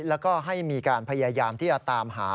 แล้วก็ให้มีการพยายามที่จะตามหา